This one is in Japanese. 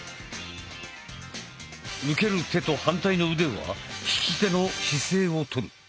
受ける手と反対の腕は引き手の姿勢をとる。